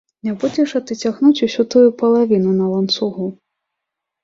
Не будзеш жа ты цягнуць усю тую палавіну на ланцугу.